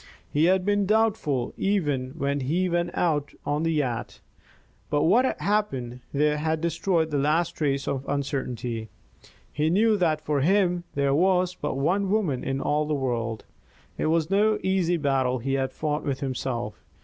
He had been doubtful even when he went out to the yacht, but what happened there had destroyed the last trace of uncertainty. He knew that for him there was but one woman in all the world. It was no easy battle he had fought with himself.